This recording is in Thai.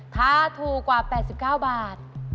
ถ้าถูกกว่า๘๙บาท